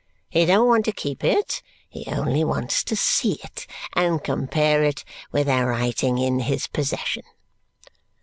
He don't want to keep it. He only wants to see it and compare it with a writing in his possession."